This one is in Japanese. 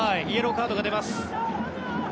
イエローカードが出ます。